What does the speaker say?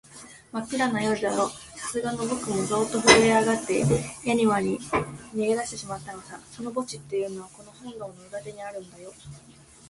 まっくらな夜だろう、さすがのぼくもゾーッとふるえあがって、やにわに逃げだしてしまったのさ。その墓地っていうのは、この本堂の裏手にあるんだよ。